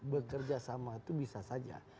bekerja sama itu bisa saja